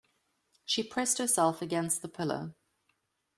She pressed herself against the pillar.